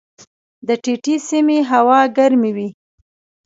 د ټیټې سیمې هوا ګرمې وي.